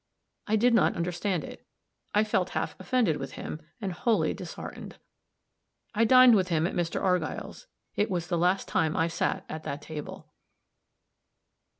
I did not understand it. I felt half offended with him, and wholly disheartened. I dined with him at Mr. Argyll's. It was the last time I sat at that table.